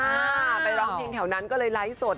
ไปน้ำทิ้งแถวนั้นก็เลยไลฟ์ที่สด